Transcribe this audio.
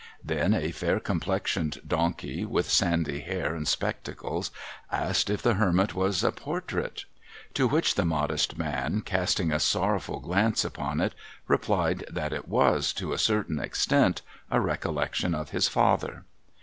Then a fair complexioned donkey, with sandy hair and spectacles, asked if the hermit was a portrait ? To which the modest man, casting a sorrowful glance upon it, replied that it was, to a certain extent, a recollection of his father.